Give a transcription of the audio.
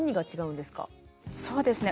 そうですね